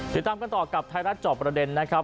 ติดตามกันต่อกับไทยรัฐจอบประเด็นนะครับ